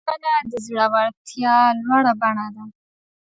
بخښنه د زړورتیا لوړه بڼه ده.